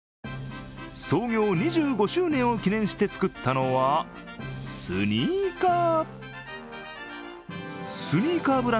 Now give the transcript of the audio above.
創業２５周年を記念して作ったのはスニーカー。